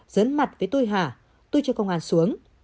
dấn mặt với tôi hả tôi chơi công an xuống